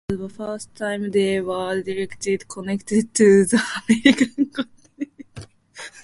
This was the first time they were directly connected to the American continent.